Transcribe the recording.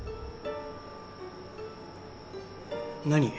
何？